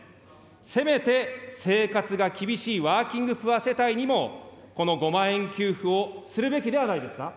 せめて生活が厳しいワーキングプア世帯にもこの５万円給付をするべきではないですか。